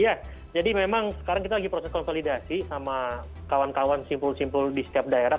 ya jadi memang sekarang kita lagi proses konsolidasi sama kawan kawan simpul simpul di setiap daerah